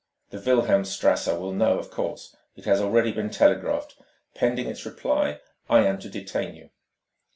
The Wilhelmstrasse will know, of course. It has already been telegraphed. Pending its reply, I am to detain you."